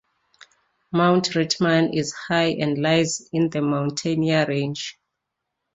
Mount Rittmann is high and lies in the Mountaineer Range.